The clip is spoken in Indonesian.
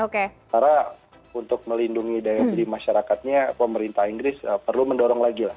karena untuk melindungi daya diri masyarakatnya pemerintah inggris perlu mendorong lagi lah